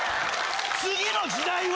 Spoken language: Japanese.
次の時代は。